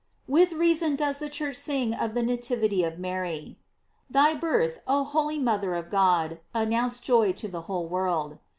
With reason does the Church sing of the nativity of Mary: "Thy birth, oh holy mother of God, announced joy to the whole world.